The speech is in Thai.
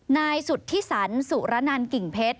นายสุธิสันสุรนันกิ่งเพชร